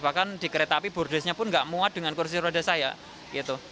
bahkan di kereta api bordesnya pun nggak muat dengan kursi roda saya gitu